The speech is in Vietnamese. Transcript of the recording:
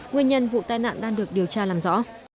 nguyên nhân vụ tai nạn đang được điều tra làm rõ